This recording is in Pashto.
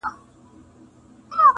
لکه شمع بلېده په انجمن کي؛